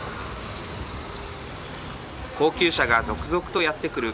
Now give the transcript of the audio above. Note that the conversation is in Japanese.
高級車が続々とやって来る